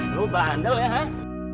loh bandel ya hah